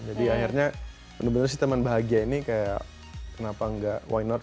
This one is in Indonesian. jadi akhirnya bener bener sih teman bahagia ini kayak kenapa enggak why not